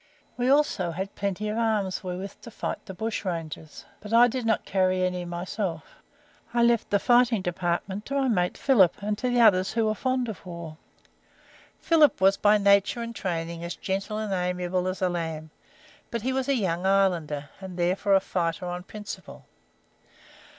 We also had plenty of arms wherewith to fight the bush rangers, but I did not carry any myself; I left the fighting department to my mate, Philip, and to the others who were fond of war. Philip was by nature and training as gentle and amiable as a lamb, but he was a Young Irelander, and therefore a fighter on principle.